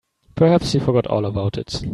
Perhaps she forgot all about it.